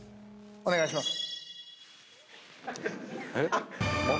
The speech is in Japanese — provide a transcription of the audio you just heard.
お願いします。